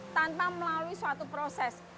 tanpa melalui suatu proses